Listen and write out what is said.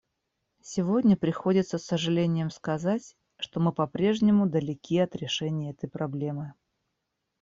Сегодня приходится с сожалением сказать, что мы по-прежнему далеки от решения этой проблемы.